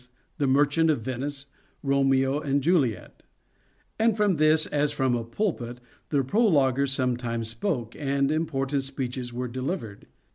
"The Merchant of Venice," " Romeo and Juliet "; and from this, as from a pulpit, the prologuer sometimes spoke, and important speeches were delivered.